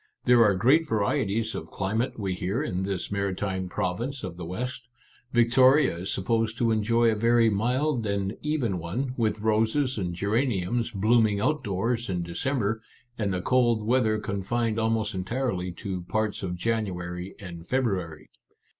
There are great varieties of climate, we hear, in this maritime province 40 Our Little Canadian Cousin 41 of the West ; Victoria is supposed to enjoy a very mild and even one, with roses and geraniums blooming outdoors in December, and the cold weather confined almost entirely to parts of January and February.